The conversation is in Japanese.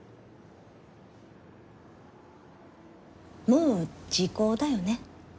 もう時効だよね？